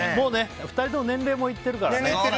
２人とも年齢も行っているからね。